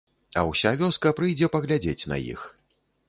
А ўся вёска прыйдзе паглядзець на іх.